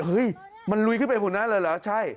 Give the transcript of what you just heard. เฮ้ยมันลุยขึ้นไปบนนั้นเลยเหรอใช่